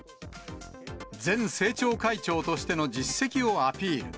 前政調会長としての実績をアピール。